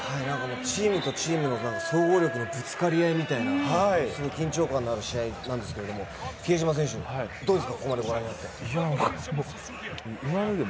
チームとチームの総合力のぶつかり合いみたいな、緊張感のある試合なんですけれども、比江島選手、どうですか？